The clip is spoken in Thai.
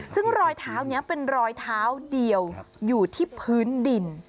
ซึ่งรอยเท้านี้เป็นรอยเท้าเดียวอยู่ที่พื้นดิน